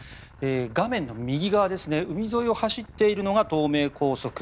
画面の右側海沿いを走っているのが東名高速。